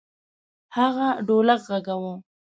هغه ډولک غږاوه.